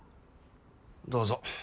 どうぞ。